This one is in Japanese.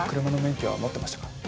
車の免許は持ってましたか？